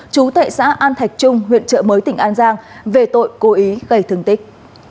chú tại xã an thạch trung huyện trợ mới tỉnh an giang về tội cố ý gây thương tích